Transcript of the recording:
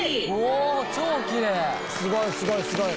すごいすごいすごい！